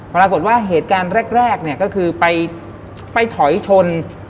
ปรากฏว่าเหตุการณ์แรกเนี่ยก็คือไปถอยชน